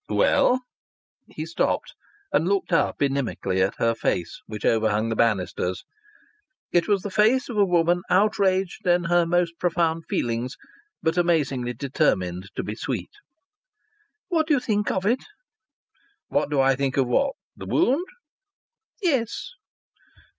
"Well?" He stopped and looked up inimically at her face, which overhung the banisters. It was the face of a woman outraged in her most profound feelings, but amazingly determined to be sweet. "What do you think of it?" "What do I think of what? The wound?" "Yes."